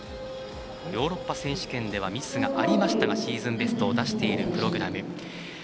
ヨーロッパ選手権ではミスがありましたがシーズンベストを出しているプログラム。